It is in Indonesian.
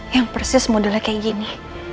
yang persis modelnya kayak gini